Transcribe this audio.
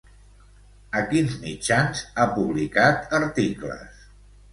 A quins mitjans ha publicat articles?